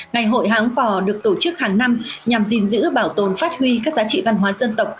ngày hội háng bò được tổ chức hàng năm nhằm gìn giữ bảo tồn phát huy các giá trị văn hóa dân tộc